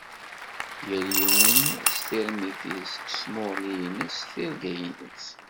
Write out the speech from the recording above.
Yal yiwen s tirmit-is, s tmuɣli-ines, s tirga-ines.